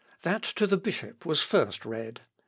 That to the bishop was first read.